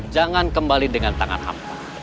jangan kembali dengan tangan apa